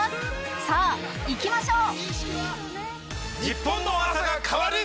さぁいきましょう！